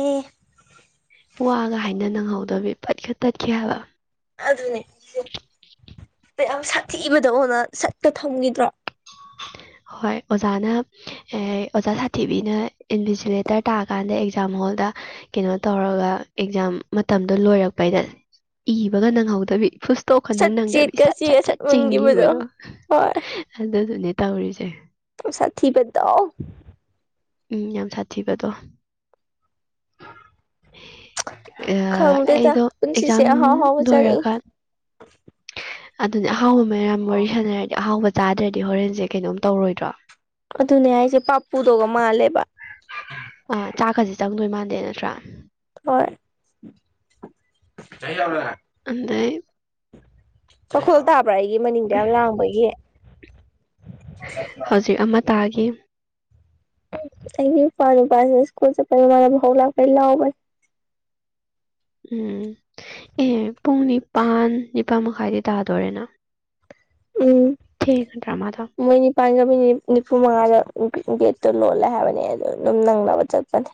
ꯑꯦ ꯋꯥꯒ ꯍꯥꯏꯅ ꯅꯪꯍꯧꯗꯕꯤ ꯄꯠꯀ ꯇꯠꯈꯤ ꯍꯥꯏꯕ ꯑꯗꯨꯅꯦ ꯍꯥꯏꯁꯦ ꯀꯌꯥꯝ ꯁꯥꯊꯤꯕꯗꯧꯅ ꯆꯠꯀ ꯊꯝꯈꯤꯗ꯭ꯔꯣ [unintelligible] ꯍꯣꯏ ꯑꯣꯖꯥꯅ ꯑꯦ ꯑꯣꯖꯥ ꯁꯥꯊꯤꯕꯤꯅ ꯏꯟꯚꯤꯖꯤꯂꯦꯇꯔ ꯇꯥꯔꯀꯥꯟꯗ ꯑꯦꯛꯖꯥꯝ ꯍꯣꯜꯗ ꯀꯩꯅꯣ ꯇꯧꯔꯒ ꯑꯦꯛꯖꯥꯝ ꯃꯇꯝꯗꯣ ꯂꯣꯏꯔꯛꯄꯩꯗ ꯏꯕꯒ ꯅꯪꯍꯧꯗꯕꯤ ꯇꯣꯛꯀ ꯁꯠ ꯅꯪ ꯅꯪꯗꯕꯤ ꯆꯦꯠꯀ ꯁꯠ ꯁꯠ ꯆꯦꯒ ꯁꯠ ꯃꯨꯟꯈꯤꯕꯗꯣ ꯆꯤꯡꯒꯤꯕꯗꯣ ꯍꯣꯏ ꯑꯗꯨꯗꯨꯅꯦ ꯇꯧꯔꯤꯁꯦ ꯌꯥꯝ ꯁꯥꯊꯤꯕꯗꯣ ꯎꯝ ꯌꯥꯝ ꯁꯥꯊꯤꯕꯗꯣ ꯑ ꯈꯪꯗꯦꯗ ꯑꯩꯗꯣ ꯄꯨꯟꯁꯤꯁꯦ ꯑꯦꯛꯖꯥꯝ ꯑꯍꯥꯎ ꯑꯍꯥꯎꯕ ꯆꯥꯅꯤꯡꯏ ꯂꯣꯏꯔꯒ ꯑꯗꯨꯅꯤ ꯑꯍꯥꯎꯕ ꯃꯌꯥꯝ ꯋꯥꯔꯤ ꯁꯥꯟꯅꯔꯗꯤ ꯑꯍꯥꯎꯕ ꯆꯥꯗ꯭ꯔꯗꯤ ꯍꯣꯔꯦꯟꯁꯦ ꯀꯩꯅꯣꯝ ꯇꯧꯔꯣꯏꯗ꯭ꯔꯣ ꯑꯗꯨꯅꯦ ꯍꯥꯏꯁꯦ ꯄꯥꯄꯨꯗꯧꯒ ꯃꯥꯜꯂꯦꯕ ꯑꯥ ꯆꯥꯛ ꯀꯁꯦ ꯆꯪꯗꯣꯏ ꯃꯥꯟꯗꯦ ꯅꯠꯇ꯭ꯔꯥ ꯍꯣꯏ [inaudible] ꯑꯗꯩ ꯆꯈꯣꯜ ꯇꯥꯕ꯭ꯔꯥ ꯑꯩꯒꯤ ꯃꯅꯤꯡꯗ ꯌꯥꯝ ꯂꯥꯡꯕꯒꯤ ꯍꯧꯖꯤꯛ ꯑꯃ ꯇꯥꯒꯤ ꯑꯩꯒꯤ ꯏꯄꯨꯋꯥ ꯅꯨꯄꯥꯁꯤꯅ ꯁ꯭ꯀꯨꯜ ꯆꯠꯄꯩ ꯃꯃꯥꯅꯕ ꯥꯍꯧ ꯂꯥꯛꯄꯩ ꯂꯥꯎꯕꯩ ꯎꯝ ꯑꯦ ꯄꯨꯡ ꯅꯤꯄꯥꯟ ꯅꯤꯄꯥꯥꯟ ꯃꯈꯥꯏꯗꯤ ꯇꯥꯗꯣꯔꯦꯅ ꯎꯝ ꯊꯦꯡꯉꯥꯗꯔꯥ ꯃꯥꯗꯣ ꯃꯣꯏ ꯅꯤꯄꯥꯟꯒ ꯃꯤꯅꯤꯠ ꯅꯤꯐꯨ ꯃꯉꯥꯗ ꯒꯦꯠꯇꯣ ꯂꯣꯜꯂꯦ ꯍꯥꯏꯕꯅꯦ ꯑꯗꯨ ꯑꯗꯨꯝ ꯅꯪꯅꯕ ꯆꯠꯄꯅꯦ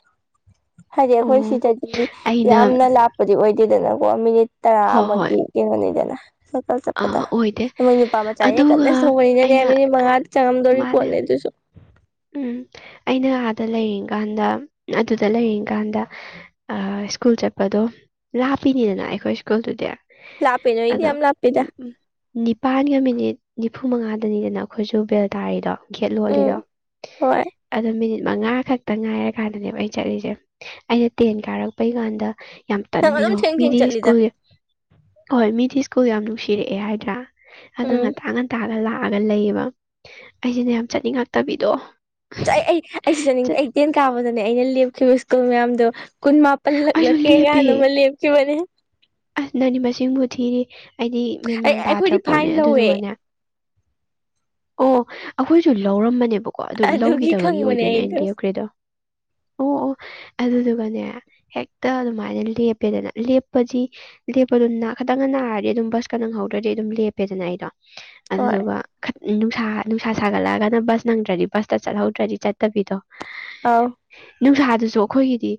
ꯍꯥꯏꯗꯤ ꯑꯩꯈꯣꯏ ꯑꯣ ꯁꯤꯗꯗꯤ ꯑꯩꯅ ꯌꯥꯝꯅ ꯂꯥꯞꯄꯗꯤ ꯑꯣꯏꯗꯦꯗꯅꯀꯣ ꯃꯤꯅꯤꯠ ꯍꯣꯏ ꯍꯣꯏ ꯇꯔꯥꯃꯒꯤ ꯀꯩꯅꯣꯅꯤꯗꯅ ꯆꯠꯇꯪ ꯆꯠꯄꯗ ꯑꯥ ꯑꯣꯏꯗꯦ ꯃꯣꯏ ꯅꯨꯄꯥ ꯃꯆꯥꯅꯤꯅ ꯀꯟꯅ ꯑꯗꯨꯒ ꯊꯧꯕꯅꯤꯅꯅꯦ ꯑꯩꯅ ꯃꯤꯅꯤꯠ ꯃꯉꯥꯗ ꯆꯪꯉꯝꯗꯧꯔꯤ ꯃꯥꯅꯦ ꯄꯣꯠꯅꯦ ꯑꯗꯨꯁꯨ ꯎꯝ ꯑꯩꯅ ꯑꯥꯗ ꯂꯩꯔꯤ ꯀꯥꯟꯗ ꯑꯗꯨꯗ ꯂꯩꯔꯤ ꯀꯥꯟꯗ ꯑ ꯁ꯭ꯀꯨꯜ ꯆꯠꯄꯗꯣ ꯂꯥꯞꯄꯤꯅꯤꯗꯅ ꯑꯩꯈꯣꯏ ꯁ꯭ꯀꯨꯜꯗꯨꯗꯤ ꯂꯥꯄꯦ ꯅꯣꯏꯗꯤ ꯌꯥꯝ ꯂꯥꯞꯄꯤꯗ ꯅꯤꯄꯥꯜꯒ ꯃꯤꯅꯤꯠ ꯅꯤꯐꯨ ꯃꯉꯥꯗꯅꯤꯗꯅ ꯑꯩꯈꯣꯏꯁꯨ ꯕꯦꯜ ꯇꯥꯔꯤꯗꯣ ꯒꯦꯠ ꯎꯝ ꯂꯣꯜꯂꯤꯗꯣ ꯍꯣꯏ ꯑꯗꯣ ꯃꯤꯅꯤꯠ ꯃꯉꯥ ꯈꯛꯇ ꯉꯥꯏꯔꯀꯥꯟꯗꯅꯦꯕ ꯑꯩ ꯆꯠꯂꯤꯁꯦ ꯑꯩꯅ ꯇꯦꯟ ꯀꯥꯔꯛꯄꯩ ꯀꯥꯟꯗ ꯌꯥꯝ ꯅꯪ ꯑꯗꯨꯝ ꯇꯟꯕꯤꯗꯣ ꯊꯦꯡ ꯊꯦꯡ ꯃꯤꯗꯤ ꯆꯠꯂꯤꯗ ꯁ꯭ꯀꯨꯜ ꯍꯣꯏ ꯃꯤꯗꯤ ꯁ꯭ꯀꯨꯜ ꯌꯥꯝ ꯅꯨꯡꯁꯤꯔꯛꯑꯦ ꯍꯥꯏꯗ꯭ꯔꯥ ꯑꯗꯨꯅ ꯎꯝ ꯉꯟꯂ ꯉꯟꯂꯒ ꯂꯥꯛꯑꯒ ꯂꯩꯌꯦꯕ ꯑꯩꯁꯤꯅ ꯌꯥꯝ ꯆꯠꯅꯤꯡꯉꯇꯕꯤꯗꯣ ꯑꯩ ꯑꯩꯁꯤ ꯆꯠꯅꯤꯡ ꯑꯩ ꯇꯦꯟ ꯀꯥꯕꯗꯅꯦ ꯑꯩꯅ ꯂꯦꯞꯈꯤꯕ ꯁ꯭ꯀꯨꯜ ꯃꯌꯥꯝꯗꯣ ꯀꯨꯟ ꯑꯩꯁꯨ ꯂꯦꯞꯄꯦ ꯄꯜꯂꯛꯂꯛꯦꯒꯅꯃ ꯂꯦꯞꯀꯤ ꯃꯅꯦ ꯑꯁ ꯅꯅꯤꯕ ꯃꯁꯤꯡꯕꯨ ꯊꯤꯔꯤ ꯑꯩꯗꯤ ꯑꯩ ꯃꯦꯟꯃꯥꯟ ꯇꯥꯗ꯭ꯔ ꯑꯩꯈꯣꯏꯗꯤ ꯐꯥꯏꯟ ꯄꯣꯠꯅꯦ ꯂꯧꯋꯦ ꯑꯗꯨꯗꯨꯒꯅꯤ ꯑꯣ ꯑꯩꯈꯣꯏꯁꯨ ꯂꯧꯔꯝꯕꯅꯦꯕꯣ ꯀꯣ ꯑꯗꯨ ꯑꯗꯨꯒꯤ ꯂꯧꯈꯤꯗꯕꯒꯤ ꯈꯪꯕꯅꯦ ꯑꯣꯏꯗꯣꯏꯅꯦ ꯑꯩꯅ ꯑꯩꯗꯣ ꯂꯦꯞꯈ꯭ꯔꯦꯗꯣ ꯑꯣ ꯑꯣ ꯑꯗꯨꯗꯨꯒꯅꯦ ꯍꯦꯛꯇ ꯑꯗꯨꯃꯥꯏꯅ ꯂꯦꯞꯄꯦꯗꯅ ꯂꯦꯞꯄꯗꯤ ꯂꯦꯞꯄ ꯑꯗꯨꯝ ꯈꯛꯇꯪꯒ ꯅꯥꯔꯗꯤ ꯑꯗꯨꯝ ꯕꯁ ꯈ ꯅꯪ ꯍꯧꯗ꯭ꯔꯗꯤ ꯑꯗꯨꯝ ꯂꯦꯞꯄꯦꯗꯅ ꯑꯩꯗꯣ ꯍꯣꯏ ꯑꯗꯨꯗꯨꯒ ꯎꯝ ꯅꯨꯡꯁꯥ ꯅꯨꯡꯁꯥ ꯁꯥꯒꯠꯂꯛꯑꯒꯅ ꯕꯁ ꯅꯪꯗ꯭ꯔꯗꯤ ꯕꯁꯇ ꯆꯠꯍꯧꯗ꯭ꯔꯗꯤ ꯆꯠꯄꯒꯤꯗꯣ ꯑꯥꯎ ꯅꯨꯡꯁꯥꯗꯨꯁꯨ ꯑꯩꯈꯣꯏꯒꯤꯗꯤ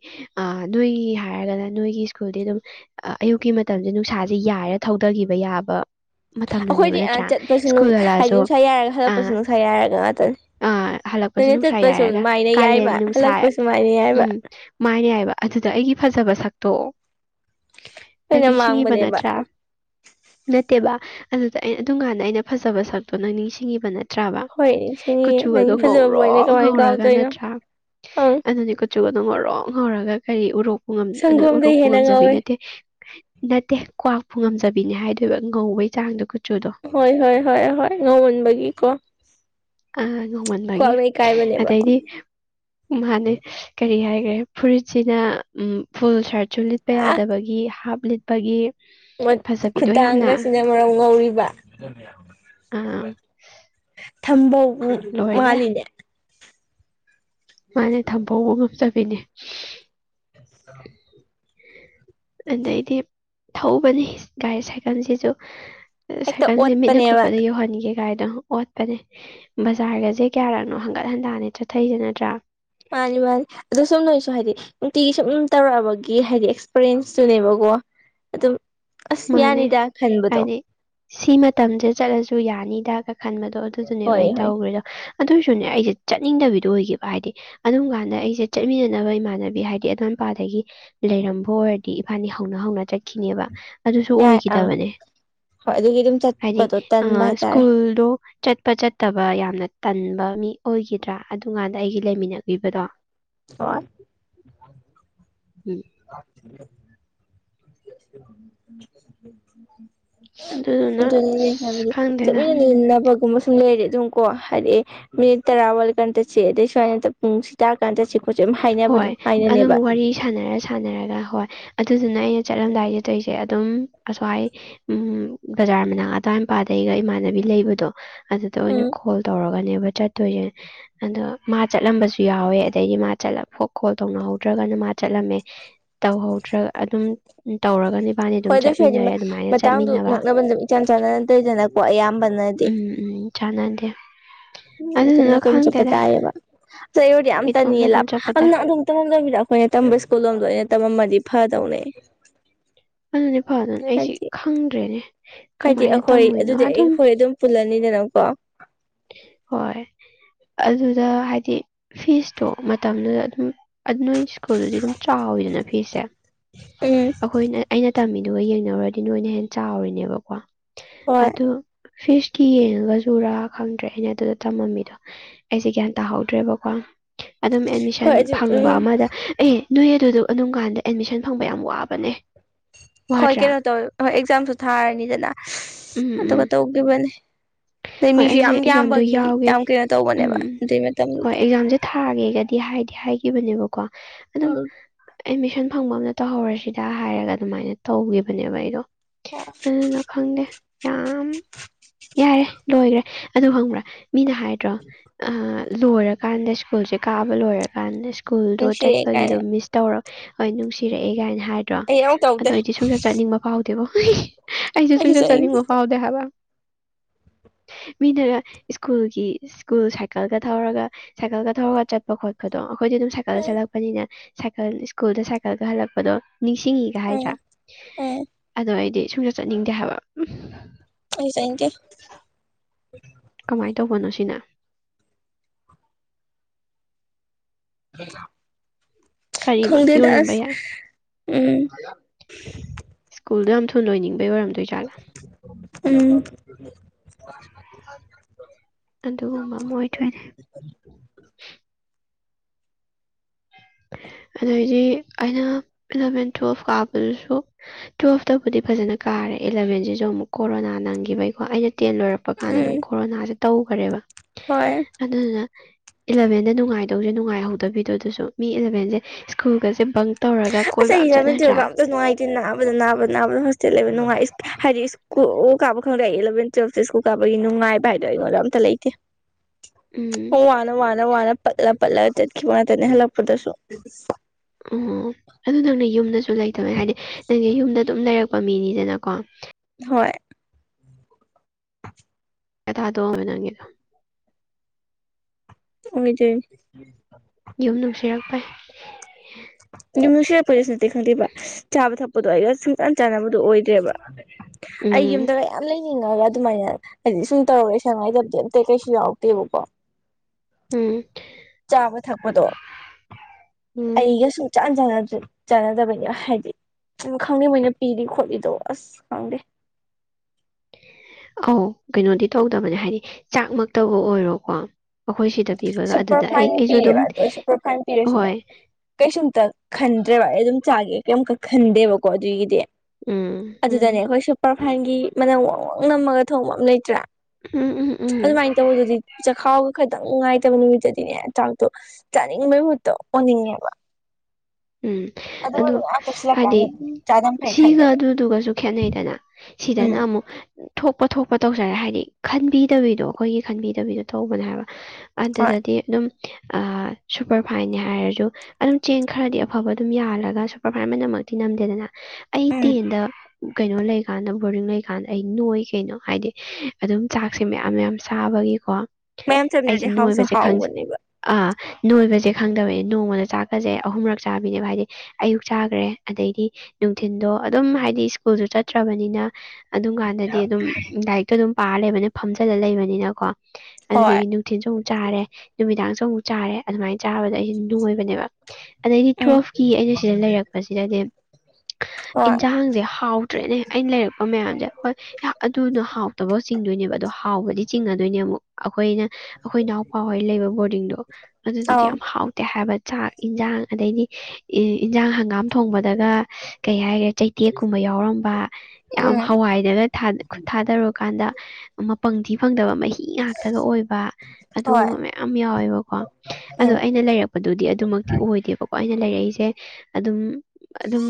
ꯑ ꯅꯣꯏꯒꯤ ꯍꯥꯏꯔꯒꯅ ꯅꯣꯏꯒꯤ ꯁ꯭ꯀꯨꯜꯗꯤ ꯑꯗꯨꯝ ꯑꯌꯨꯛꯀꯤ ꯃꯇꯝꯁꯗꯤ ꯅꯨꯡꯁꯥꯁꯦ ꯌꯥꯏꯔ ꯊꯧꯗꯈꯤꯕ ꯌꯥꯕ ꯃꯇꯝꯗꯅꯦꯕ ꯑꯩꯈꯣꯏꯗꯤ ꯑ ꯅꯠꯇ꯭ꯔꯥ ꯆꯠꯄꯁꯨ ꯍꯥꯏꯗꯤ ꯁ꯭ꯀꯨꯜꯗꯂꯥꯛꯑꯁꯨ ꯅꯨꯡꯁꯥ ꯌꯥꯏꯔꯒ ꯑ ꯍꯜꯂꯛꯄꯁꯨ ꯅꯨꯡꯁꯥ ꯌꯥꯏꯔꯒ ꯉꯥꯛꯇꯅꯤ ꯑ ꯍꯜꯂꯛꯄꯁꯨ ꯅꯣꯏꯅ ꯅꯨꯡꯁꯥ ꯆꯠꯄꯁꯨ ꯌꯥꯏꯔꯒ ꯃꯥꯏꯅ ꯀꯥꯂꯦꯟ ꯌꯥꯏꯕ ꯅꯨꯡꯁꯥ ꯍꯜꯂꯛꯄꯁꯨ ꯃꯥꯏꯅ ꯌꯥꯏꯕ ꯎꯝ ꯃꯥꯏꯅ ꯍꯥꯏꯕ ꯑꯗꯨꯗ ꯑꯩꯒꯤ ꯐꯖꯕ ꯁꯛꯇꯣ ꯅꯪ ꯑꯩꯈꯣꯏꯅ ꯅꯤꯡꯁꯤꯡꯉꯤꯕ ꯃꯥꯡꯕꯅꯦꯕ ꯅꯠꯇ꯭ꯔꯥ ꯅꯠꯇꯦꯕ ꯑꯗꯨꯗ ꯑꯩꯅ ꯑꯗꯨꯝ ꯀꯥꯟꯗ ꯑꯩꯅ ꯐꯖꯕ ꯁꯛꯇꯣ ꯅꯪ ꯅꯤꯡꯁꯤꯡꯉꯤꯕ ꯅꯠꯇꯦ ꯅꯠꯇ꯭ꯔꯕ ꯍꯣꯏ ꯅꯤꯡꯁꯤꯡꯉꯤꯌꯦ ꯀꯨꯆꯨꯒꯗꯣ ꯅꯪꯒꯤ ꯐꯖꯕꯕꯨ ꯉꯧꯔꯣ ꯑꯩꯅ ꯀꯃꯥꯏꯅ ꯉꯧꯔꯒ ꯀꯥꯎꯗꯣꯏꯅꯣ ꯅꯠꯇ꯭ꯔꯥ ꯑꯪ ꯑꯗꯨꯅꯤ ꯆꯨ ꯑꯗꯨ ꯉꯣꯔꯣꯛ ꯉꯧꯔꯒ ꯀꯔꯤ ꯎꯔꯣꯛꯄ ꯁꯪꯒꯣꯝꯗꯩ ꯎꯔꯣꯛꯄꯨ ꯍꯦꯟꯅ ꯉꯝꯖꯕꯤ ꯉꯧꯋꯦ ꯅꯠꯇꯦ ꯅꯠꯇꯦ ꯀ꯭ꯋꯥꯛꯄꯨ ꯉꯝꯖꯕꯤꯅꯦ ꯍꯥꯏꯗꯣꯏꯕ ꯉꯧꯕꯩ ꯆꯥꯡꯗꯣ ꯀꯨꯆꯨꯗꯣ ꯍꯣꯏ ꯍꯣꯏ ꯍꯣꯏ ꯍꯣꯏ ꯉꯣꯟꯕꯒꯤ ꯀꯣ ꯑ ꯉꯧꯃꯟꯕꯒꯤ ꯏꯀꯥꯏꯕꯅꯦꯕ ꯑꯗꯩꯗꯤ ꯃꯥꯅꯦ ꯀꯔꯤ ꯍꯥꯏꯈ꯭ꯔꯦ ꯐꯨꯔꯤꯠꯁꯤꯅ ꯎ ꯐꯨꯜ ꯁꯥꯔꯠꯁꯨ ꯂꯤꯠꯄ ꯌꯥꯗꯕꯒꯤ ꯍꯥꯞ ꯂꯤꯠ ꯄꯥꯒꯤ ꯈꯨꯗꯥꯥꯡꯒꯁꯤꯅ ꯃꯔꯝ ꯉꯧꯔꯤꯕ ꯑꯥ ꯊꯝꯕꯧꯕꯨ ꯂꯣꯏꯔꯦ ꯃꯥꯂꯤꯅꯦꯦ ꯃꯥꯅꯦ ꯊꯝꯕꯩꯒꯨ ꯉꯝꯖꯕꯤꯅꯦ ꯑ ꯑꯗꯩꯗꯤ ꯊꯧꯕꯅꯤ ꯒꯥꯔꯤ ꯁꯥꯏꯀꯜꯁꯤꯁꯨ ꯍꯦꯛꯇ ꯁꯥꯏꯀꯜꯁꯦ ꯃꯤꯠꯅ ꯑꯣꯠꯄꯅꯦꯕ ꯀꯨꯞꯄꯗ ꯌꯧꯍꯟꯒꯦ ꯀꯥꯏꯗꯣ ꯑꯣꯠꯄꯅꯦ ꯕꯖꯥꯔꯒꯁꯦ ꯀꯌꯥꯔꯛꯅꯣ ꯍꯪꯒꯠ ꯍꯟꯗꯥꯅꯦ ꯆꯠꯊꯩꯁꯦ ꯅꯠꯇ꯭ꯔꯥ ꯃꯥꯅꯤ ꯃꯥꯅꯤ ꯑꯗꯨ ꯁꯨꯝ ꯅꯣꯏꯁꯨ ꯍꯥꯏꯗꯤ ꯅꯨꯡꯇꯤꯒꯤ ꯁꯨꯝ ꯇꯧꯔꯛꯑꯕꯒꯤ ꯍꯥꯏꯗꯤ ꯑꯦꯛꯁꯄꯔꯤꯌꯦꯟꯁꯇꯨꯅꯦꯕꯀꯣ ꯑꯗꯨꯝ ꯑꯁ ꯃꯥꯅꯦ ꯌꯥꯅꯤꯗ ꯈꯟꯕꯗꯣ ꯍꯥꯏꯗꯤ ꯁꯤ ꯃꯇꯝꯁꯦ ꯆꯠꯂꯁꯨ ꯌꯥꯅꯤꯗꯒ ꯈꯟꯕꯗꯣ ꯑꯗꯨꯗꯨꯅꯦꯕ ꯍꯣꯏ ꯑꯩꯅ ꯍꯣꯏ ꯇꯧꯈ꯭ꯔꯦꯗꯣ ꯑꯗꯨ ꯑꯣꯏꯁꯨꯅꯦ ꯑꯩꯁꯦ ꯆꯠꯅꯤꯡꯗꯕꯤꯗꯣ ꯑꯣꯏꯈꯤꯕ ꯍꯥꯏꯗꯤ ꯑꯗꯨꯝ ꯀꯥꯟꯗ ꯑꯩꯁꯦ ꯆꯠꯃꯤꯟꯅꯅꯕ ꯏꯃꯥꯟꯅꯕꯤ ꯍꯥꯏꯗꯤ ꯑꯗꯣꯝ ꯃꯄꯥꯗꯒꯤ ꯂꯩꯔꯝꯕ ꯑꯣꯏꯔꯗꯤ ꯏꯕꯥꯅꯤ ꯍꯧꯅ ꯍꯧꯅ ꯆꯠꯈꯤꯅꯦꯕ ꯑꯗꯨꯁꯨ ꯌꯥꯏ ꯑꯪ ꯑꯣꯏꯈꯤꯗꯕꯅꯦ ꯍꯣꯏ ꯑꯗꯨꯒꯤ ꯑꯗꯨꯝ ꯍꯥꯏꯗꯤ ꯆꯠꯄꯗꯣ ꯇꯟꯕ ꯍꯥꯏꯇꯥꯔꯦ ꯁ꯭ꯀꯨꯜꯗꯣ ꯆꯠꯄ ꯆꯠꯇꯕ ꯌꯥꯝꯅ ꯇꯟꯕ ꯃꯤ ꯑꯣꯏꯈꯤꯗ꯭ꯔꯥ ꯑꯗꯨꯀꯥꯟꯗ ꯑꯩꯒꯤ ꯂꯩꯃꯤꯟꯅꯕꯤꯕꯗꯣ ꯍ ꯎꯝ [unintelligible] ꯎ ꯎ [unintelligible] ꯑꯗꯨꯗꯨꯅ ꯑꯗꯨꯅꯤ ꯍꯥꯏ ꯑꯁ ꯈꯪꯗꯦꯗ ꯆꯠꯃꯤꯅꯅꯤꯅ ꯄꯒꯨꯝ ꯁꯨꯝ ꯂꯩꯔꯦ ꯑꯗꯨꯝ ꯀꯣ ꯍꯥꯏꯗꯗꯤ ꯃꯤꯅꯤꯠ ꯇꯔꯥ ꯋꯥꯂꯀꯥꯟ ꯆꯠꯁꯦ ꯑꯗꯩ ꯁꯨꯃꯥꯏꯅ ꯎꯝ ꯁꯤ ꯇꯥꯔꯀꯥꯟꯗ ꯆꯠꯁꯦ ꯈꯣꯠꯁꯦ ꯑꯗꯨ ꯍꯥꯏꯅꯕꯗꯣ ꯍꯣꯏ ꯑꯗꯨꯝ ꯍꯥꯏꯅꯅꯦꯕ ꯋꯥꯔꯤ ꯁꯥꯟꯅꯔ ꯁꯥꯟꯅꯔꯒ ꯍꯣꯏ ꯑꯗꯨꯗꯨꯅ ꯑꯩꯅ ꯆꯠꯂꯝꯗꯥꯏꯗ ꯇꯧꯏꯁꯦ ꯑꯗꯨꯝ ꯑꯁ꯭ꯋꯥꯏ ꯎꯝ ꯕꯖꯥꯔ ꯃꯅꯥ ꯑꯋꯥꯏ ꯃꯄꯥꯗꯩꯒ ꯏꯃꯥꯟꯅꯕꯤ ꯂꯩꯕꯗꯣ ꯑꯗꯨꯗ ꯑꯣꯏꯅ ꯎꯝ ꯀꯣꯜ ꯇꯧꯔꯒꯅꯦꯕ ꯆꯠꯇꯣꯏꯁꯦ ꯑꯗꯣ ꯃꯥ ꯆꯠꯂꯝꯕꯁꯨ ꯌꯥꯎꯋꯦ ꯑꯗꯩꯗꯤ ꯃꯥ ꯆꯠꯄ ꯀꯣꯜ ꯇꯧꯅꯍꯧꯗ꯭ꯔꯒꯅ ꯃꯥ ꯆꯠꯂꯝꯃꯦ ꯇꯧꯍꯧꯗ꯭ꯔꯒ ꯑꯗꯨꯝ ꯇꯧꯔꯒ ꯕꯥꯅꯤ ꯑꯗꯨꯝ ꯍꯣꯏ ꯆꯠꯃꯤꯟꯅꯔꯦ ꯑꯗꯨꯃꯥꯏꯅ ꯆꯠꯃꯤꯟꯅꯕ ꯍꯛꯆꯥꯟ [unintelligible] ꯆꯥꯟꯅꯅꯠꯇꯣꯏꯗꯅꯀꯣ ꯑꯌꯥꯝꯕꯅꯗꯤ ꯎꯝ ꯎꯝ ꯆꯥꯟꯅꯗꯦ ꯎꯝ ꯑꯗꯨꯗꯨꯅ ꯅꯇꯣꯝ ꯈꯪꯗꯦꯗ ꯆꯠꯄꯇꯥꯏꯑ‌ꯦꯕ ꯑꯁ ꯑꯩ ꯑꫭꯏꯔꯗꯤ ꯌꯥꯝ ꯏꯇꯣꯝꯗ ꯇꯟꯅꯤꯌ‌ꯦ ꯑꯗꯨꯝ ꯂꯤꯞ ꯆꯠꯄꯗ [unintelligible] ꯑꯈꫭꯏꯅ ꯇꯝꯕ ꯁ꯭ꯀꯨꯜ ꯂꯣꯝꯗ ꯑꯩꯅ ꯇꯝꯃꯝꯃꯗꯤ ꯐꯗꯧꯅꯦ ꯑꯗꯨꯅꯤ ꯐꯗꯧꯅꯤ ꯑꯩꯁꯤ ꯍꯥꯏꯗꯤ ꯈꯪꯗ꯭ꯔꯦꯅꯦ ꯍꯥꯏꯗꯤ ꯀꯃꯥꯏꯅ ꯑꯩꯈꯣꯏ ꯇꯝꯃꯨꯏꯅꯣ ꯑꯗꯨꯗꯤ ꯑꯩꯈꯣꯏ ꯑꯗꯨꯝ ꯄꯨꯜꯂꯅꯤꯗ ꯅꯀꫭ ꯍꯣꯏ ꯑꯗꯨꯗ ꯍꯥꯏꯗꯤ ꯐꯤꯁꯇꯣ ꯃꯇꯝꯗꯨꯗ ꯑꯗꯨꯝ ꯑꯗꯨ ꯅꯣꯏꯁꯨ ꯁ꯭ꯀꯨꯜꯗꯨꯗꯤ ꯑꯗꯨꯝ ꯆꯥꯎꯋꯤꯗꯅ ꯐꯤꯁꯁꯦ ꯎꯝ ꯑꯩꯈꯣꯏꯅ ꯑꯩꯅ ꯇꯝꯃꯤꯗꯨꯒ ꯌꯦꯡꯅꯔꯨꯔꯗꯤ ꯅꯣꯏꯅ ꯍꯦꯟꯅ ꯆꯥꯎꯔꯤꯅꯦꯕꯀꯣ ꯍꯣꯏ ꯑꯗꯨ ꯐꯤꯁꯀꯤ ꯌꯦꯡꯉꯒ ꯁꯨꯔꯥ ꯈꯪꯗ꯭ꯔꯦ ꯑꯩꯅ ꯑꯗꯨꯗ ꯇꯝꯃꯝꯃꯤꯗꯣ ꯑꯩꯁꯦ ꯒ꯭ꯌꯥꯟ ꯇꯥꯍꯧꯗ꯭ꯔꯦꯕꯀꯣ ꯑꯗꯨꯝ ꯑꯦꯠꯃꯤꯁꯟ ꯍꯣꯏ ꯑꯗꯨ ꯐꯪꯕ ꯎꯝ ꯑꯃꯗ ꯑꯦ ꯅꯣꯏ ꯑꯗꯨꯗꯨ ꯑꯗꯨꯝ ꯀꯥꯟꯗ ꯑꯦꯠꯃꯤꯁꯟ ꯐꯪꯕ ꯌꯥꯝ ꯋꯥꯕꯅꯦ ꯍꯣꯏ ꯋꯥꯗ꯭ꯔꯥ ꯀꯩꯅꯣ ꯇꯧꯋ‌ꯦ ꯍꯣꯏ ꯑꯦꯛꯖꯥꯝꯁꯨ ꯊꯥꯔꯅꯤꯗꯅ ꯎꯝ ꯎꯝ ꯑꯗꯨꯒꯥ ꯇꯧꯒꯤꯕꯅꯦ ꯑꯗꯩ ꯍꯣꯏ ꯃꯤꯁꯨ ꯑꯩꯁꯦ ꯌꯥꯝ ꯑꯦꯛꯖꯥꯝꯗꯣ ꯌꯥꯝꯕꯒꯤ ꯌꯥꯝ ꯌꯥꯎꯒꯦꯗꯤ ꯀꯩꯅꯣ ꯇꯧꯕꯅꯦꯕ ꯎꯝ ꯑꯗꯨꯏ ꯍꯣꯏ ꯃꯇꯝꯗꯨꯗ ꯑꯦꯛꯖꯥꯝꯁꯦ ꯊꯥꯒꯦꯒꯗꯤ ꯍꯥꯏꯗꯤ ꯍꯥꯏꯈꯤꯕꯅꯦꯕꯀꯣ ꯑ [unintelligible] ꯑꯦꯗꯃꯤꯁꯟ ꯐꯪꯕ ꯑꯃꯝꯗ ꯇꯧꯍꯧꯔꯁꯤꯗ ꯍꯥꯏꯔꯒ ꯑꯗꯨꯃꯥꯏꯅ ꯇꯧꯈꯤꯕꯅꯦꯕ ꯑꯩꯗꯣ ꯑꯗꯨꯅ ꯈꯪꯗꯦ ꯌꯥꯝ ꯌꯥꯔꯦ ꯂꯣꯏꯈ꯭ꯔꯦ ꯑꯗꯨ ꯈꯪꯕ꯭ꯔꯥ ꯃꯤꯅ ꯍꯥꯏꯗ꯭ꯔꯣ ꯑꯥ ꯂꯣꯏꯔꯒ ꯀꯥꯟꯗ ꯁ꯭ꯀꯨꯜꯁꯦ ꯀꯥꯕ ꯂꯣꯏꯔꯀꯥꯟꯗ ꯁ꯭ꯀꯨꯜꯗꯣ ꯅꯨꯡꯁꯤꯔꯛꯑꯦ ꯆꯠꯄꯒꯤꯗꯣ ꯀꯥꯏꯅ ꯃꯤꯁ ꯇꯧꯔ ꯍꯣꯏ ꯅꯨꯡꯁꯤꯔꯛꯑꯦ ꯀꯥꯏꯅ ꯍꯥꯏꯗ꯭ꯔꯣ ꯑꯩ ꯑꯃꯨꯛ ꯑꯗꯨ ꯇꯧꯗꯦ ꯑꯩꯗꯤ ꯁꯨꯡꯆꯠ ꯆꯠꯅꯤꯡꯕ ꯐꯥꯎꯗꯦꯕꯣ ꯑꯩꯁꯨ ꯁꯨꯡꯆꯠ ꯆꯠꯅꯤꯡꯕꯣ ꯐꯥꯎꯗꯦ ꯍꯥꯏꯕ ꯃꯤꯅꯒ ꯁ꯭ꯀꯨꯜꯒꯤ ꯁ꯭ꯀꯨꯜ ꯁꯥꯏꯀꯜꯒ ꯊꯧꯔꯒ ꯁꯥꯏꯀꯜꯒ ꯊꯧꯔꯒ ꯆꯠꯄ ꯄ ꯈꯣꯠꯄꯗꯣ ꯈꯣꯏꯗꯤ ꯑꯗꯨꯝ ꯁꯥꯏꯀꯜꯗ ꯆꯠꯂꯛꯄꯅꯤꯅ ꯁꯥꯏꯀꯜ ꯁ꯭ꯀꯨꯜꯗ ꯁꯥꯏꯀꯜꯒ ꯍꯜꯂꯛꯄꯗꯣ ꯅꯤꯡꯁꯤꯡꯉꯤ ꯒ ꯎꯝ ꯎꯝ ꯍꯥꯏꯗ꯭ꯔꯥ ꯎꯝ ꯑꯗꯣ ꯑꯩꯗꯤ ꯁꯨꯡꯆꯠ ꯆꯠꯅꯤꯡꯗꯦ ꯍꯥꯏꯕ ꯎꯞ ꯑꯩꯩꯁꯨ ꯆꯠꯅꯤꯡꯗ‌‌ꯦ ꯀꯃꯥꯏꯅ ꯇꯧꯕꯅꯣ ꯁꯤꯅ ꯀꯔꯤꯃꯛꯇꯤ ꯈꯪꯗꯦꯗꯥ ꯑꯣꯏꯔꯝꯕ ꯑꯁ ꯌꯥꯏ ꯎꯝ ꯁ꯭ꯀꯨꯜꯗ ꯌꯥꯝ ꯊꯨ ꯂꫭꯏꯅꯤꯡꯕꯩ ꯑꯣꯏꯔꯗꯣꯏ ꯖꯥꯠ ꯎꯝ [unintelligible] ꯑꯗꯨꯒꯨꯝꯕ ꯑꯃ ꯑꯣꯏꯗꯣꯏꯅꯦ ꯑꯗꯩꯗꯤ ꯑꯩꯅ ꯑꯦꯂꯚꯦꯟ ꯇꯨꯋꯦꯜꯐ ꯀꯥꯕꯗꯨꯁꯨ ꯇꯨꯋꯦꯜꯐꯇꯕꯨꯗꯤ ꯐꯖꯅ ꯀꯥꯔꯦ ꯑꯦꯂꯚꯦꯟꯁꯤꯁꯨ ꯑꯃꯨꯛ ꯀꯣꯔꯣꯅꯥ ꯅꯪꯈꯤꯕꯒꯤꯀꯣ ꯑꯩꯅ ꯇꯦꯟ ꯂꯣꯏꯔꯛꯄ ꯀꯥꯟꯗ ꯎꯝ ꯑꯗꯨꯝ ꯀꯣꯔꯣꯅꯥꯁꯦ ꯇꯧꯒꯔꯦꯕ ꯍꯣꯏ ꯑꯗꯨꯗꯨꯅ ꯏꯂꯚꯦꯟꯗ ꯅꯨꯡꯉꯥꯏꯗꯧꯁ‌ꯦ ꯅꯨꯡꯉꯥꯏꯍꯧꯗꯕꯤꯗꯣ ꯑꯗꯨꯁꯨ ꯃꯤ ꯑꯦꯂꯚꯦꯟꯁꯦ ꯁ꯭ꯀꯨꯜꯒꯁꯦ ꯕꯪ ꯑꯁ ꯑꯩ ꯌꯥꯝ ꯑ‌ꯦꯂꯚ‌ꯦꯟ ꯆꯠꯅꯗ꯭ꯔꯥ ꯇꯨ‌ꯦꯜꯐꯕ ꯀꯥꯕꯗꯁꯨ ꯅꯉꯥꯏ ꯇꯤ ꯅꯥꯕꯗ ꯅꯥꯕ ꯅꯥꯕꯗ ꯍꯣꯁꯇꯦꯜ ꯂꯩꯕ ꯅꯨꯡꯉꯥꯏ ꯍꯥꯏꯗꯤ ꯁ꯭ꯀꯨꯜ ꯀꯥꯕ ꯈꯪꯗꯦ ꯏꯂꯚꯦꯟ ꯇꯋ‌ꯦꯜꯐꯤꯇ ꯏꯁꯀꯨꯜ ꯀꯥꯕꯒꯤ ꯅꯨꯡꯉꯥꯏꯕ ꯍꯥꯏꯗꯣ ꯑꯩꯉꯣꯟꯗ ꯑꯝꯇ ꯂꯩꯇꯦ ꯎꯝ ꯑꯣ ꯋꯥꯅ ꯋꯥꯅ ꯋꯥꯅ ꯄꯠꯂ ꯄꯠꯂ ꯆꯠꯈꯤꯕ ꯉꯥꯛꯇꯅꯦ ꯍꯜꯂꯛꯄꯗꯁꯨ ꯑꯣ ꯑꯗꯨꯅ ꯌꯨꯝꯗꯁꯨ ꯂꯩꯇꯕꯅꯦ ꯍꯥꯏꯗꯤ ꯅꯪꯒꯤ ꯌꯨꯝꯗ ꯑꯗꯨꯝ ꯂꯩꯔꯛꯄ ꯃꯤꯅꯤꯗꯅꯀꯣ ꯍꯣꯏ ꯀꯌꯥ [unintelligible] ꯇꯥ ꯇꯣꯡꯑꯝꯃꯦ ꯅꯪꯒꯤꯗꯣ ꯑꯣꯏꯗ‌ꯦ ꯌꯨꯝ ꯅꯨꯡꯁꯤꯔꯛꯄꯩ ꯌꯥꯝꯅꯨꯡꯁꯤ ꯄꯁ ꯈꯔꯤꯕ ꯆꯥꯕ ꯊ ꯄꯗꯦ ꯁꯨꯡꯆꯥꯟ ꯆꯥꯟꯅꯕꯗꯣ ꯑꯣꯏꯗ꯭ꯔꯦꯕ ꯑꯩ ꯎꯝ ꯌꯨꯝꯗ ꯌꯥꯝ ꯂꯩꯅꯤꯡꯉꯒ ꯑꯗꯨꯃꯥꯏꯅ ꯍꯥꯏꯗꯤ ꯁꯨꯝ ꯇꯧꯔꯦ ꯁꯪꯉꯥꯏꯗꯕꯗꯤ ꯑꯝꯇ ꯀꯩꯁꯨ ꯌꯥꯎꯔꯛꯇꯦꯕꯀꯣ ꯎꯝ ꯆꯥꯕ ꯊꯛꯄꯗꯣ ꯎꯝ ꯑꯩꯒ ꯁꯨꯡꯆꯥꯟ ꯆꯥꯟꯅꯗ꯭ꯔꯦ ꯆꯥꯟꯅꯗꯕꯩꯅꯤꯕ ꯍꯥꯏꯗꯤ ꯎꯝ ꯈꯪꯗꯦ ꯃꯣꯏꯅ ꯄꯤꯔꯤ ꯈꯣꯠꯂꯤꯗꯣ ꯑꯁ ꯈꯪꯗꯦ ꯑꯧ ꯀꯩꯅꯣꯗꯤ ꯇꯧꯗꯕꯅꯦ ꯍꯥꯏꯗꯤ ꯆꯥꯛꯃꯛꯇꯕꯨ ꯑꯣꯏꯔꯣꯀꯣ ꯑꯩꯈꯣꯏ ꯁꯤꯗ ꯄꯤꯕꯒ ꯁꯨꯄꯔ ꯑꯗꯨꯗ ꯑꯩ ꯐꯥꯏꯟ ꯑꯩꯁꯨ ꯑꯗꯨꯝ ꯄꯤꯔꯦꯕ ꯑꯗꯣ ꯁꯨꯄꯔ ꯐꯥꯏꯟ ꯑꯍꯣꯏ ꯄꯤꯔꯁꯨꯅꯦ ꯀꯩꯁꯨꯝꯇ ꯈꯟꯗ꯭ꯔꯦꯕ ꯑꯩ ꯑꯗꯨꯝ ꯆꯥꯒꯦ ꯀꯩꯝꯀꯛ ꯈꯟꯗꯦꯕꯀꯣ ꯑꯗꯨꯒꯤꯗꯤ ꯎꯝ ꯎꯝ ꯑꯗꯨꯗꯅꯦ ꯑꯩꯈꯣꯏ ꯁꯨꯄꯔ ꯐꯥꯏꯟꯒꯤ ꯃꯅꯝ ꯋꯪ ꯋꯪ ꯅꯝꯃꯒ ꯊꯣꯡꯕ ꯑꯃ ꯂꯩꯇ꯭ꯔꯥ ꯎꯝ ꯎꯝ ꯎꯝ ꯗꯤ ꯈꯥꯎꯕꯒ ꯈꯤꯇꯪ ꯅꯨꯡꯉꯥꯏꯇꯕ ꯅꯨꯃꯤꯠꯇꯗꯤꯅꯦ ꯆꯥꯛꯇꯣ ꯆꯥꯅꯤꯡꯕꯩ ꯃꯍꯨꯠꯇꯣ ꯑꯣꯟꯅꯤꯡꯉꯦꯕ ꯎꯝ ꯑꯗꯣ ꯃꯌꯥꯝ ꯍꯥꯏꯗꯤ ꯇꯨꯞꯁꯤꯜꯂꯀꯥꯟꯗꯗꯤ ꯆꯥꯗꯝ ꯐꯩ ꯁꯤꯒ ꯈꯜꯂꯦꯕ ꯑꯗꯨꯗꯨꯒꯁꯨ ꯈꯦꯠꯅꯩꯗꯅ ꯎꯝ ꯁꯤꯗꯅ ꯑꯃꯨꯛ ꯊꯣꯛꯄ ꯊꯣꯛꯄ ꯇꯧꯖꯔꯦ ꯍꯥꯏꯗꯤ ꯈꯟꯕꯤꯗꯕꯤꯗꯣ ꯑꯩꯈꯣꯏꯒꯤ ꯈꯟꯕꯤꯗꯕꯤꯗꯣ ꯊꯧꯕꯅꯦ ꯍꯥꯏꯕ ꯍꯣꯏ ꯑꯗꯨꯗꯗꯤ ꯑꯗꯨꯝ ꯑ ꯁꯨꯄꯔ ꯐꯥꯏꯦ ꯍꯥꯏꯔꯁꯨ ꯑꯗꯨꯝ ꯆꯦꯡ ꯈꯔꯗꯤ ꯑꯐꯕ ꯑꯗꯨꯝ ꯌꯥꯍꯜꯂꯒ ꯁꯨꯄꯔꯐꯥꯏꯟ ꯃꯅꯝꯃꯛꯇꯤ ꯅꯝꯗꯦꯗꯅ ꯑꯩ ꯎꯝ ꯇꯦꯟꯗ ꯀꯩꯅꯣ ꯂꯩꯀꯥꯟꯗ ꯕꯣꯔꯗꯤꯡ ꯂꯩꯀꯥꯟꯗ ꯑꯩ ꯅꯣꯏ ꯀꯩꯅꯣ ꯍꯥꯏꯗꯤ ꯑꯗꯨꯝ ꯆꯥꯛꯁꯦ ꯃꯌꯥꯝ ꯃꯌꯥꯝ ꯁꯥꯕꯒꯤꯀꯣ ꯃꯌꯥꯝ ꯑꯩꯁꯦ ꯆꯝꯅꯔꯗꯤ ꯍꯥꯎꯁꯨ ꯅꯣꯏꯕꯁꯦ ꯈꯪꯖꯦ ꯍꯥꯎꯕꯅꯦꯕ ꯑꯥ ꯅꯣꯏꯕꯁꯦ ꯈꯪꯗꯕꯩꯅꯦ ꯅꯣꯡꯃꯗ ꯆꯥꯛꯀꯁꯦ ꯑꯍꯨꯝꯔꯛ ꯆꯥꯕꯤꯅꯦꯕ ꯍꯥꯏꯗꯤ ꯑꯌꯨꯛ ꯆꯥꯈ꯭ꯔꯦ ꯑꯗꯩꯗꯤ ꯅꯨꯡꯊꯤꯤꯟꯗꯣ ꯑꯗꯨꯝ ꯍꯥꯏꯗꯤ ꯁ꯭ꯀꯨꯜꯁꯨ ꯆꯠꯇ꯭ꯔꯕꯅꯤꯅ ꯑꯗꯨꯡꯀꯥꯟꯗꯗꯤ ꯑꯗꯨꯝ ꯂꯥꯏꯔꯤꯛꯇꯣ ꯑꯗꯨꯝ ꯄꯥꯔ ꯂꯩꯕꯅꯤꯅ ꯐꯝꯖꯜꯂ ꯂꯩꯕꯅꯤꯅꯀꯣ ꯍꯣꯏ ꯑꯗꯨꯗꯨꯒꯤ ꯅꯨꯡꯇ ꯅꯨꯡꯊꯤꯟꯁꯨ ꯑꯃꯨꯛꯥꯔꯦ ꯅꯨꯃꯤꯗꯥꯡꯁꯨ ꯑꯃꯨꯛ ꯆꯥꯔꯦ ꯑꯗꯨꯃꯥꯏꯅ ꯆꯥꯕꯗ ꯑꯩꯁꯨꯦ ꯅꯨꯡꯉ ꯑꯣꯏꯕꯅꯦꯕ ꯑꯗꯩꯗꯤ ꯎꯝ ꯇꯨꯋꯦꯜꯐꯀꯤ ꯑꯩꯅ ꯁꯤꯗ ꯂꯩꯔꯛꯄꯁꯤꯗꯗꯤ ꯍꯣꯏ ꯏꯟꯁꯥꯡꯁꯦ ꯍꯥꯎ ꯇ꯭ꯔꯦꯅꯦ ꯑꯩꯅ ꯂꯩꯔꯛꯄ ꯃꯌꯥꯝꯁꯦ ꯍꯣꯏ ꯑꯗꯨꯅ ꯍꯥꯎꯇꯕꯥꯎ ꯆꯤꯡꯗꯣꯏꯅꯦꯕ ꯑꯗꯣ ꯍꯥꯎꯕꯗꯤ ꯆꯤꯡꯒꯅꯤ ꯅꯣꯏꯅꯦ ꯑꯃꯨꯛ ꯑꯩꯈꯣꯏꯅ ꯑꯩꯈꯣꯏ ꯏꯅꯥꯎ ꯄꯥ ꯍꯣꯏ ꯂꯩꯕ ꯕꯣꯔꯗꯤꯡꯗꯣ ꯑꯗꯨꯗꯨꯗꯤ ꯑꯥꯎ ꯌꯥꯝ ꯍꯥꯎꯇꯦ ꯍꯥꯏꯕ ꯆꯥꯛ ꯌꯦꯟꯁꯥꯡ ꯑꯗꯩꯗꯤ ꯏꯟꯖꯥꯡ ꯍꯪꯒꯥꯥꯝ ꯊꯣꯡꯕꯗꯒ ꯀꯩ ꯍꯥꯏꯔꯦ ꯆꯩꯇꯦꯛꯀꯨꯝꯕ ꯌꯥꯎꯔꯝꯕ ꯌꯥꯝ ꯎꯝ ꯍꯋꯥꯏꯗꯅ ꯈꯨꯠ ꯊꯥꯗꯔꯨ ꯀꯥꯟꯗ ꯃꯄꯪꯗꯤꯤ ꯐꯪꯗꯕ ꯃꯍꯤ ꯍꯤ ꯉꯥꯛꯇꯒ ꯑꯣꯏꯕ ꯍꯣꯏ ꯑꯗꯨꯒꯨꯝꯕ ꯃꯌꯥꯝ ꯌꯥꯎꯋꯦꯕꯀꯣ ꯑꯗꯣ ꯎꯝ ꯑꯩꯅ ꯂꯩꯔꯛꯄ ꯑꯗꯨꯗꯤ ꯑꯗꯨꯃꯛꯇꯤ ꯑꯣꯏꯗꯦꯕꯀꯣ ꯑꯩꯅ ꯂꯩꯔꯛꯏꯁꯦ ꯑꯗꯨꯝ ꯑꯗꯨꯝ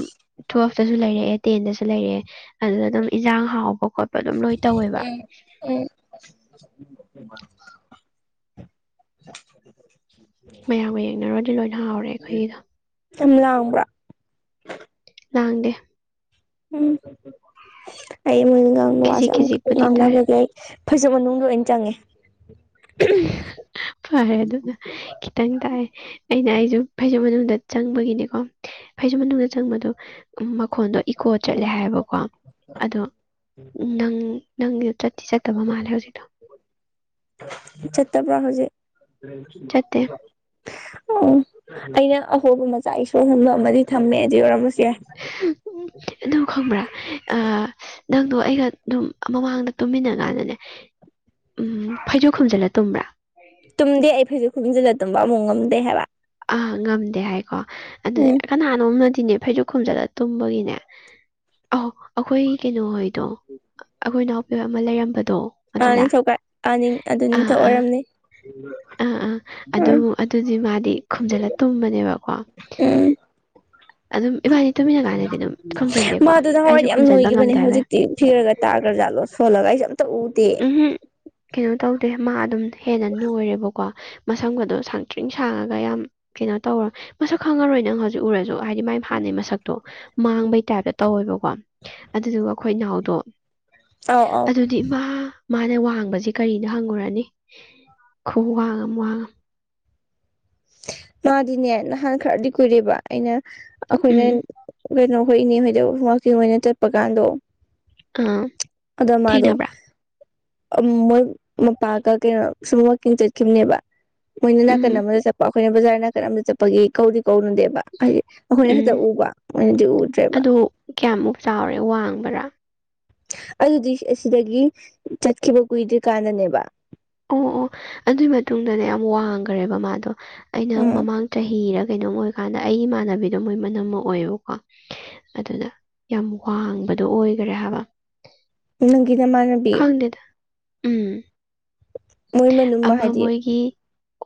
ꯇꯨꯋꯦꯜꯐꯇꯁꯨ ꯂꯩꯔꯛꯑꯦ ꯇꯦꯟꯗꯁꯨ ꯂꯩꯔꯛꯑꯦ ꯑꯗꯨꯗ ꯑꯗꯨꯝ ꯏꯟꯖꯥꯡ ꯍꯥꯎꯕ ꯈꯣꯠꯄ ꯑꯗꯨꯝ ꯂꯣꯏ ꯇꯧꯋꯦꯕ ꯎꯝ ꯎꯝ [unintelligible] ꯃꯌꯥꯝꯒ ꯌꯦꯡꯅꯔꯨꯔꯗꯤ ꯂꯣꯏꯅ ꯍꯥꯎꯔꯦ ꯑꯩꯈꯣꯏꯒꯤꯗ ꯌꯥꯝ ꯂꯥꯡꯕ꯭ꯔꯥ ꯂꯥꯡꯗꯦ ꯎꯝ ꯑꯩ ꯃꯣꯏꯅꯥꯡ ꯋꯥꯁꯦ ꯈꯤꯖꯤꯛ ꯌꯥꯝ ꯈꯤꯖꯤꯛꯄꯨꯗꯤ ꯇꯥꯏ ꯉꯥꯡꯅꯕꯒꯦ ꯐꯖ ꯃꯅꯨꯡ ꯂꯣꯏꯅ ꯆꯪꯉꯦ ꯐꯔꯦ ꯑꯗꯨꯗ ꯈꯤꯇꯪ ꯇꯥꯏ ꯑꯩꯅ ꯑꯩꯁꯨ ꯐꯩꯖꯨꯞ ꯃꯅꯨꯡꯗ ꯆꯪꯕꯒꯤꯅꯤꯀꯣ ꯐꯩꯖꯨꯞ ꯃꯅꯨꯡꯗ ꯆꯪꯕꯗꯣ ꯃꯈꯣꯟꯗꯣ ꯏꯀꯣ ꯆꯠꯂꯦ ꯍꯥꯏꯌꯦꯕꯀꯣ ꯑꯗꯣ ꯅꯪ ꯅꯪꯒꯤꯗꯣ ꯆꯠ ꯁꯤ ꯆꯠꯇꯕ ꯃꯥꯜꯂꯦ ꯍꯧꯖꯤꯛꯛꯇꯣ ꯆꯠꯇꯄ꯭ꯔ ꯍꯧꯖꯤꯛ ꯆꯠꯇꯦ ꯑ ꯑꯩꯅ ꯑꯍꯣꯕ ꯃꯆꯥ ꯏꯁꯣꯔ ꯍꯣꯟꯕ ꯑꯃꯗꯤ ꯊꯝꯃꯦ ꯑꯗꯨ ꯑꯣꯏꯔꯝꯃꯁꯨ ꯌꯥꯏ ꯎꯝ ꯑꯗꯨ ꯈꯪꯕ꯭ꯔꯥ ꯑꯥ ꯅꯪꯗꯣ ꯑꯩꯒ ꯑꯗꯨꯝ ꯃꯃꯥꯡꯗ ꯇꯨꯝꯃꯤꯟꯅ ꯀꯥꯟꯗꯅꯦ ꯎꯝ ꯐꯩꯖꯣ ꯈꯨꯝꯖꯤꯜꯂ ꯇꯨꯝꯕ꯭ꯔꯥ ꯇꯨꯝꯗꯦ ꯑꯩ ꯐꯩꯁꯨ ꯈꯨꯝꯖꯤꯜꯂ ꯇꯨꯝꯕ ꯑꯃꯨꯛ ꯉꯝꯗꯦ ꯍꯥꯏꯕ ꯑꯥ ꯉꯝꯗꯦ ꯍꯥꯏꯀꯣ ꯑꯗꯨꯗꯤ ꯎꯝ ꯀꯅꯥꯅꯣꯝꯅꯗꯤꯅꯦ ꯐꯩꯖꯨꯞ ꯈꯨꯝꯖꯟꯂ ꯇꯨꯝꯕꯒꯤꯅꯦ ꯑ ꯑꯩꯈꯣꯏ ꯀꯩꯅꯣꯍꯣꯏꯗꯣ ꯑꯩꯈꯣꯏ ꯏꯅꯥꯎꯄꯤ ꯑꯃ ꯂꯩꯔꯝꯕꯗꯣ ꯑꯥ ꯑꯗꯨꯗ ꯅꯤꯡꯊꯧꯀ ꯑꯥ ꯅꯤꯡ ꯑꯗꯨ ꯑꯥ ꯅꯤꯡꯊꯧ ꯑꯥ ꯑꯣꯏꯔꯝꯅꯤ ꯑꯥ ꯑꯥ ꯑꯗꯨ ꯑꯥ ꯑꯗꯨꯗꯤ ꯃꯥꯗꯤ ꯈꯣꯨꯝꯖꯤꯜꯂ ꯇꯨꯝꯕꯅꯦꯕꯀꯣ ꯎꯝ ꯑꯗꯨꯝ ꯏꯕꯥꯅꯤ ꯇꯨꯃꯤꯟꯅ ꯀꯥꯟꯗꯗꯤ ꯑꯗꯨꯝ [unintelligible] ꯈꯨꯝꯖꯟꯗꯦꯀꯣ ꯃꯥꯗꯨ ꯑꯩꯁꯨ ꯅꯍꯥꯟꯋꯥꯏꯗꯤ ꯌꯥꯝ ꯈꯨꯝꯖꯟꯕ ꯅꯣꯏꯈꯤꯕꯅꯦ ꯉꯝꯗꯦ ꯍꯥꯏꯕꯩ ꯍꯧꯖꯤꯛꯇꯤ ꯐꯤꯔꯒ ꯇꯒꯥꯔ ꯖꯥꯠꯂꫭ ꯁꯣꯜꯂꯒꯥ ꯑꯩꯁꯨ ꯑꯃꯨꯛꯇꯥꯡ ꯎ ꯎꯝ ꯍꯝ ꯀꯩꯅꯣ ꯇꯧꯗꯦ ꯃꯥ ꯑꯗꯨꯝ ꯍꯦꯟꯅ ꯅꯣꯏꯔꯦꯕꯀꯣ ꯃꯁꯝꯒꯗꯣ ꯁꯪꯇ꯭ꯔꯤ ꯁꯥꯡꯉꯒ ꯌꯥꯝ ꯀꯩꯅꯣ ꯇꯧꯔꯣꯏ ꯃꯁꯛ ꯈꯪꯉꯔꯣꯏ ꯅꯪ ꯍꯧꯖꯤꯛ ꯍꯧꯖꯤꯛ ꯎꯔꯁꯨ ꯍꯥꯏꯗꯤ ꯃꯥꯏ ꯍꯥꯟꯅꯩ ꯃꯁꯛꯇꯣ ꯃꯥꯡꯕꯩ ꯇꯥꯏꯞꯇ ꯇꯧꯋꯦꯕꯀꯣ ꯑꯗꯨꯗꯨꯒ ꯑꯩꯈꯣꯏ ꯏꯅꯥꯎꯗꯣ ꯑꯧ ꯑꯧ ꯑꯗꯨꯗꯤ ꯃꯥ ꯃꯥꯅ ꯋꯥꯡꯕꯁꯤ ꯀꯔꯤꯗ ꯍꯪꯉꯨꯔꯅꯤ ꯈꯨꯋꯥꯡ ꯑꯃ ꯋꯥꯡꯉꯝ ꯃꯥꯗꯤꯅꯦ ꯅꯍꯥꯟ ꯈꯔꯗꯤ ꯀꯨꯏꯔꯦꯕ ꯑꯩꯅ ꯑꯩꯈꯣꯏꯅ ꯎꯝ [unintelligible] ꯍꯣꯏ ꯏꯅꯦ ꯍꯣꯏꯗ ꯋꯥꯛꯀꯤꯡ ꯑꯣꯏꯅ ꯆꯠꯄ ꯀꯥꯟꯗꯣ ꯑꯥ ꯑꯗꯥ ꯃꯥꯗꫭ ꯊꯦꯡꯅꯕ꯭ꯔꯥ ꯃꫭꯏ ꯃꯄꯥꯒꯥ ꯀꯩꯅꫭ ꯁꯨꯝ ꯋꯥꯛꯀꯤꯡ ꯆꯠꯈꯤꯕꯅꯦꯕ ꯃꯣꯏꯅ ꯅꯥꯀꯟ ꯎꯝ ꯑꯃꯗ ꯆꯠꯄ ꯑꯩꯈꯣꯏꯅ ꯕꯖꯥꯔ ꯅꯥꯀꯟ ꯑ ꯑꯃꯗ ꯆꯠꯄꯒꯤ ꯀꯧꯗꯤ ꯀꯧꯅꯨꯗꯦꯕ ꯍꯥꯏꯗꯤ ꯑꯩꯈꯣꯏꯅ ꯈꯛꯇ ꯎꯝ ꯎꯕ ꯃꯣꯏꯅꯗꯤ ꯎꯗ꯭ꯔꯦꯕ ꯑꯗꯣ ꯀꯌꯥꯃꯨꯛ ꯆꯥꯎꯔꯦ ꯋꯥꯡꯕꯔꯥ ꯑꯗꯨꯗꯤ ꯑꯁꯤꯗꯒꯤ ꯆꯠꯈꯤꯕ ꯀꯨꯏꯗ꯭ꯔꯤ ꯀꯥꯟꯗꯅꯦꯕ ꯑꯣ ꯑꯣ ꯑꯗꯨꯏ ꯃꯇꯨꯡꯗꯅꯦ ꯌꯥꯝ ꯋꯥꯡꯈ꯭ꯔꯦꯕ ꯃꯥꯗꯣ ꯑꯩꯅ ꯎꯝ ꯃꯃꯥꯡ ꯆꯍꯤꯔ ꯀꯩꯅꯣꯝ ꯑꯣꯏꯔꯀꯥꯟꯗ ꯑꯩꯒꯤ ꯏꯃꯥꯟꯅꯕꯤꯗꯣ ꯃꯣꯏ ꯃꯅꯝ ꯑꯃ ꯑꯣꯏꯌꯦꯕꯀꯣ ꯑꯗꯨꯅꯥ ꯌꯥꯝ ꯋꯥꯡꯕꯗꯣ ꯑꯣꯏꯈꯔꯦ ꯍꯥꯏꯕ ꯅꯪꯒꯤ ꯅꯃꯥꯟꯅꯕꯤ ꯈꯪꯗꯦꯗ ꯎꯝ ꯃꯣꯏ ꯃꯅꯨꯡ ꯑꯃ ꯍꯥꯏꯗꯤ ꯃꯣꯏꯒꯤ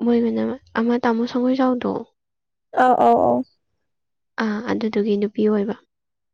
ꯃꯣꯏ ꯃꯅꯥꯝꯃꯥ ꯑꯃꯥ ꯇꯥꯃꯣ ꯁꯉꯣꯏ ꯆꯥꯎꯗꯣ ꯑꯥ ꯑꫭ ꯑꫭ ꯑꫭ ꯑꯥ ꯑꯗꯨꯗꯨꯒꯤ ꯅꯨꯄꯤ ꯑꯣꯏꯕ